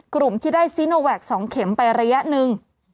กลุ่มที่ได้ซีโนแวค๒เข็มไประยะหนึ่ง